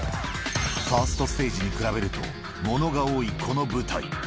ファーストステージに比べると、ものが多いこの舞台。